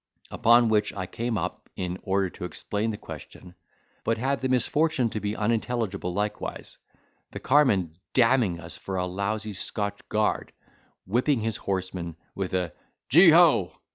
Upon which I came up, in order to explain the question, but had the misfortune to be unintelligible likewise, the carman damning us for a lousy Scotch guard, whipping his horses with a "Gee ho!"